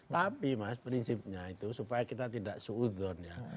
tapi mas prinsipnya itu supaya kita tidak suudon ya